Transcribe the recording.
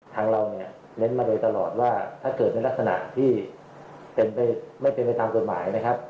ทางเราเน้นมาเลยตลอดว่าถ้าเกิดเป็นลักษณะที่ไม่เป็นไปตามกฎหมายนะครับ